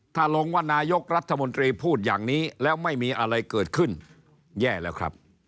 ถ้าลงว่านายกรัฐมนตรีพูดอย่างนี้แล้วไม่มีอะไรเกิดขึ้นแย่แล้วครับ